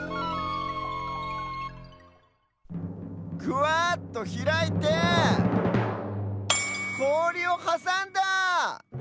ぐわっとひらいてこおりをはさんだ！